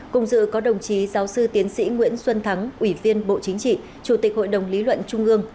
cùng dự có đồng chí giáo sư tiến sĩ nguyễn xuân thắng ủy viên bộ chính trị chủ tịch hội đồng lý luận trung ương